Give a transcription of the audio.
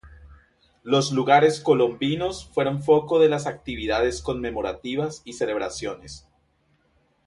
Los Lugares colombinos fueron foco de las actividades conmemorativas y celebraciones.